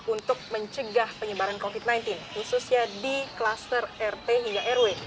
untuk mencegah penyebaran covid sembilan belas khususnya di kluster rt hingga rw